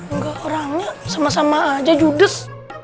enggak orangnya sama sama aja judes